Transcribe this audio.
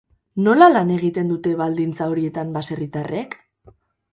Nola lan egiten dute baldintza horietan baserritarrek?